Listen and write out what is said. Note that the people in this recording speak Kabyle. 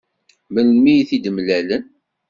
Melmi i t-id-mlalen?